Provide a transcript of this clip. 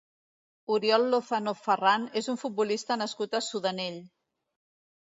Oriol Lozano Farrán és un futbolista nascut a Sudanell.